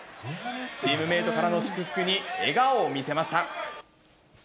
チームメートからの祝福に笑顔を見せました。